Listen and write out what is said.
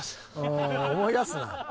うん思い出すな。